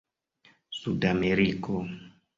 sudameriko